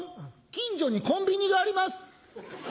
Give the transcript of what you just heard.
近所にコンビニがあります。